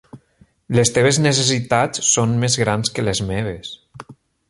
Les teves necessitats són més grans que les meves.